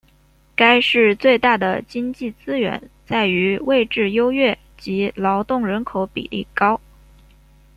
该市最大的经济资源在于位置优越及劳动人口比例高。